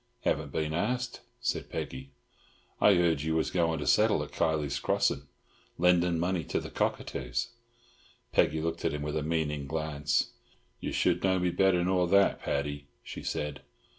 "Haven't been asked," said Peggy. "I heard you was goin' to settle at Kiley's Crossin', lending money to the cockatoos." Peggy looked at him with a meaning glance. "Ye should know me better nor that, Paddy," she said.